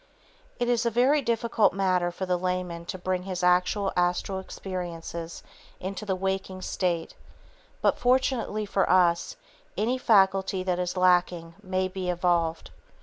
It is a very difficult matter for the layman to bring his actual astral experiences into the waking state (but fortunately for us) any faculty that is lacking may be evolved.